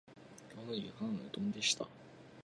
今日の夕飯はうどんでした